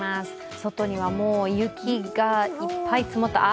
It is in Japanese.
外にはもう雪がいっぱい積もった、あ